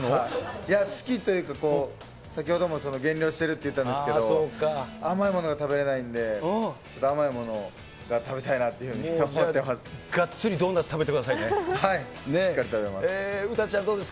いや、好きというか、先ほども減量してるって言ったんですけど、甘いものが食べれないんで、ちょっと甘いものが食べたいなというふうに思ってます。